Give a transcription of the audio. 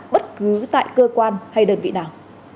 bất cứ tại cơ quan hay đơn vị nào